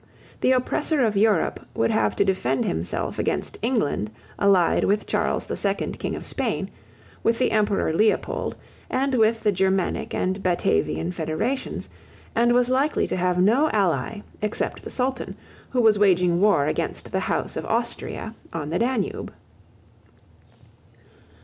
The oppressor of Europe would have to defend himself against England allied with Charles the Second King of Spain, with the Emperor Leopold, and with the Germanic and Batavian federations, and was likely to have no ally except the Sultan, who was waging war against the House of Austria on the Danube.